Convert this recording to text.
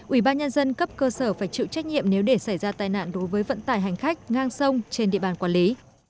ủy ban nhân dân cấp cơ sở phải chịu trách nhiệm nếu để xảy ra tai nạn đối với vận tải hành khách ngang sông trên địa bàn quản lý